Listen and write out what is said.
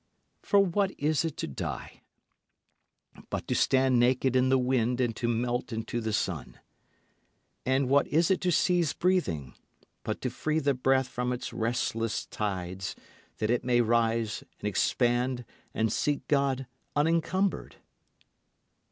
For what is it to die but to stand naked in the wind and to melt into the sun? And what is it to cease breathing, but to free the breath from its restless tides, that it may rise and expand and seek God unencumbered?